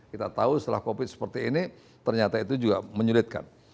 kita tahu setelah covid seperti ini ternyata itu juga menyulitkan